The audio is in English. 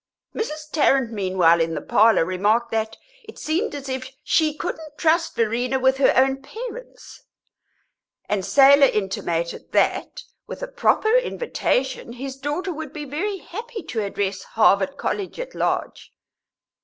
Mrs. Tarrant, meanwhile, in the parlour, remarked that it seemed as if she couldn't trust Verena with her own parents; and Selah intimated that, with a proper invitation, his daughter would be very happy to address Harvard College at large.